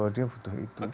dia butuh itu